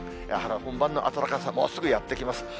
春本番の暖かさ、もうすぐやって来ます。